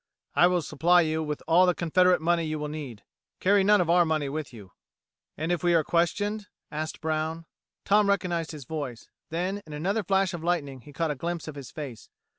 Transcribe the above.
"I will supply you with all the Confederate money you will need. Carry none of our money with you." "And if we are questioned?" asked Brown. Tom recognized his voice; then, in another flash of lightning he caught a glimpse of his face.